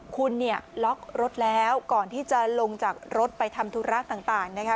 คุณเนี่ยล็อกรถแล้วก่อนที่จะลงจากรถไปทำธุระต่างนะคะ